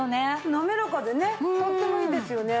滑らかでねとってもいいですよね。